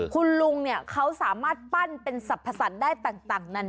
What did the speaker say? คุณลุงเนี่ยเขาสามารถปั้นเป็นสรรพสรรค์ได้ต่างนาน